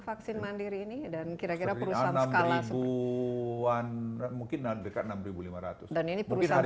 vaksin mandiri ini dan kira kira perusahaan skala sepuluh an mungkin dekat enam ribu lima ratus dan ini perusahaan